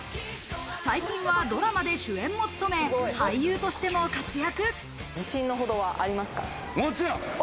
最近はドラマで主演も務め俳優としても活躍。